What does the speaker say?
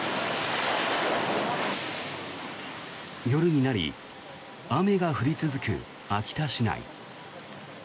夜になり雨が降り続く秋田市内。